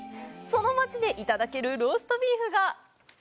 その町でいただけるローストビーフが。